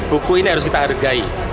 buku ini harus kita hargai